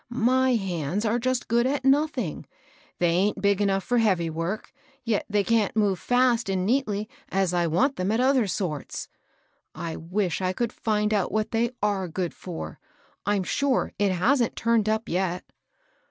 My hands are just good at nothing ! They aint big enough for heavy work, yet they can't move fest and neatly as I want them at other sorts. I wish I could find out what they are good for. I'm sure it hasn't turned up yet."